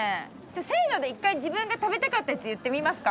せので１回自分が食べたかったやつ言ってみますか？